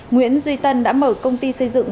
nguyễn duy tân đã mở công ty xây dựng